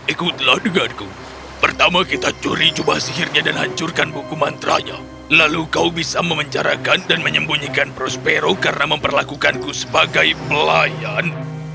ikutlah denganku pertama kita curi jubah sihirnya dan hancurkan buku mantranya lalu kau bisa memenjarakan dan menyembunyikan prospero karena memperlakukanku sebagai pelayan